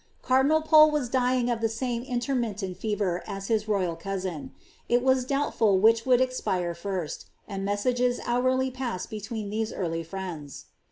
Cardinal Pole was dying of the same intermittent fever as his royal cousin ; it was doubtful which would expire first, and messages hourly passed between these early friends.